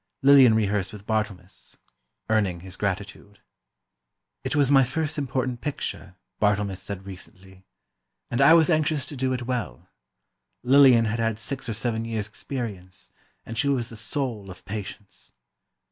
Lillian rehearsed with Barthelmess, earning his gratitude. "It was my first important picture," Barthelmess said recently, "and I was anxious to do it well. Lillian had had six or seven years' experience, and she was the soul of patience."